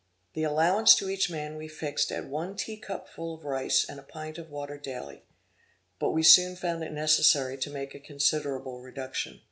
The allowance to each man we fixed at one tea cupful of rice and a pint of water daily, but we soon found it necessary to make a considerable reduction.